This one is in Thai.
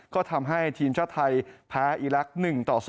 ก็ทำให้ทีมชาติไทยแพ้อีลักษณ์๑ต่อ๒